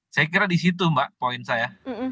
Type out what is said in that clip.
saya kira di situ mbak poin saya